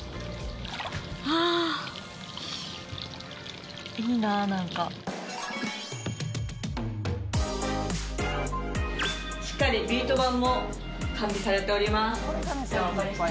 ああいいななんかしっかりビート板も完備されております